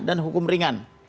dan hukum ringan